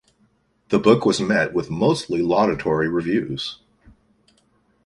The book was met with mostly laudatory reviews.